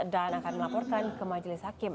dan akan melaporkan ke majelis hakim